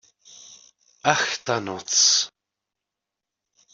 Ach ta noc!